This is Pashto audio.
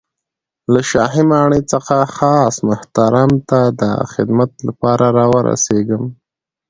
له شاهي ماڼۍ څخه خاص تاسو محترم ته د خدمت له پاره را ورسېږم.